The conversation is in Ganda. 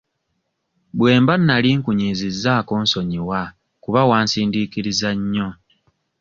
Bwe mba nali nkunyiizizaako nsonyiwa kuba wansindikiriza nnyo.